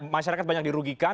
masyarakat banyak dirugikan